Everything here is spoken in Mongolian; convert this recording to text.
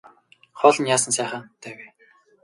Хоол нь яасан сайхан амттай вэ.